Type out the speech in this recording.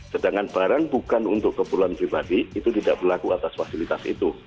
sedangkan barang bukan untuk keperluan pribadi itu tidak berlaku atas fasilitas itu